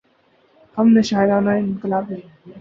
ہم نہ شاعر نہ انقلابی۔